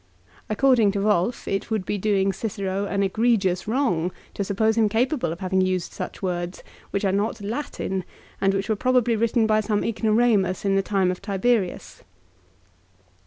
According to Wolf it would be doing Cicero an egregious wrong to suppose him capable of having used such words, which are not Latin, and which were probably written by some ignoramus in the time of Tiberius.